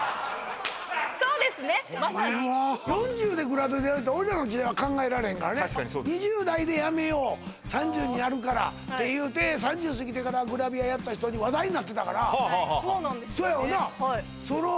そうですねまさに４０でグラドルやるって俺らの時代では考えられへんからね２０代でやめよう３０になるからっていうて３０すぎてからグラビアやった人話題になってたからそうなんですよね